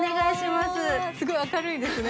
すごい明るいですね。